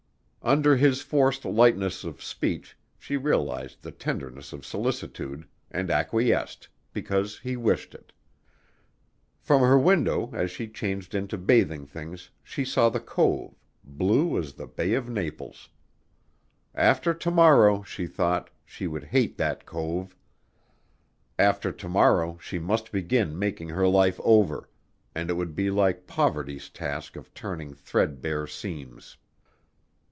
Under his forced lightness of speech, she realized the tenderness of solicitude and acquiesced, because he wished it. From her window as she changed into bathing things she saw the cove, blue as the Bay of Naples. After to morrow, she thought, she would hate that cove. After to morrow she must begin making her life over, and it would be like poverty's task of turning thread bare seams.